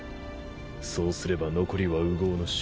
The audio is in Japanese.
そうすれば残りは烏合の衆。